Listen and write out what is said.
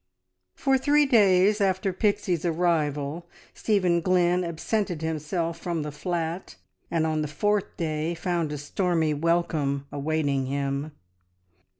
For three days after Pixie's arrival Stephen Glynn absented himself from the flat, and on the fourth day found a stormy, welcome awaiting him.